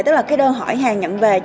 tức là cái đơn hỏi hàng nhận về